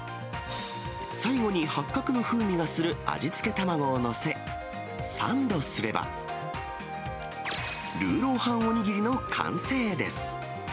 最後にはっかくの風味がする味付け卵を載せ、サンドすれば、ルーローハンお握りの完成です。